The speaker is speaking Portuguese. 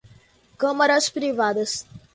câmaras privadas